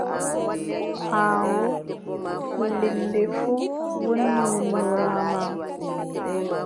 Aawoo halleende fuu woni wonnoraamaa.